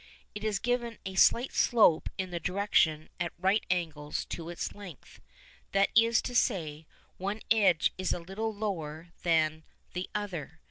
It is given a slight slope in the direction at right angles to its length that is to say, one edge is a little lower than the other.